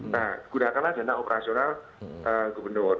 nah gunakanlah dana operasional gubernur